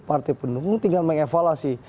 partai pendukung tinggal mengevaluasi